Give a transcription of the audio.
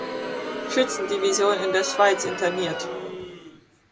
Schützendivision in der Schweiz interniert.